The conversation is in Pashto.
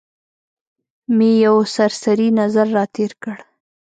مې یو سرسري نظر را تېر کړ.